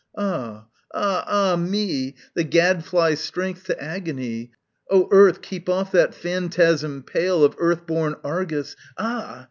Ah! ah! ah me! The gad fly strength to agony! O Earth, keep off that phantasm pale Of earth born Argus! ah!